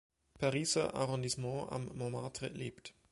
Pariser Arrondissement am Montmartre lebt.